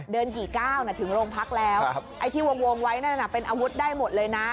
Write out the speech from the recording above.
กี่ก้าวถึงโรงพักแล้วไอ้ที่วงไว้นั่นเป็นอาวุธได้หมดเลยนะ